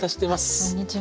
こんにちは。